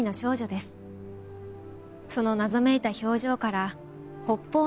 その謎めいた表情から。